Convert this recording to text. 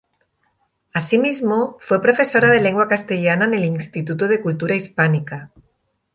Asimismo fue profesora de lengua castellana en el Instituto de Cultura Hispánica.